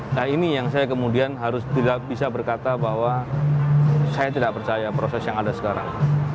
nah ini yang saya kemudian harus tidak bisa berkata bahwa saya tidak percaya proses yang ada sekarang